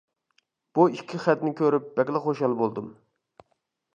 بۇ ئىككى خەتنى كۆرۈپ بەكلا خۇشال بولدۇم.